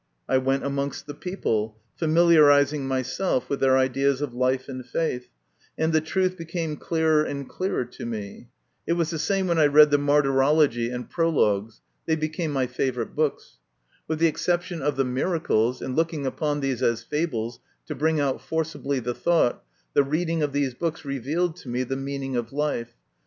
I went amongst the people, familiarising myself with their ideas of life and faith, and the truth became clearer and clearer to me. It was the same when I read the Martyrology MY CONFESSION. 131 and Prologues ; they became my favourite books. With the exception of the miracles, and looking upon these as fables to bring out forcibly the thought, the reading of these books revealed to me the meaning of life.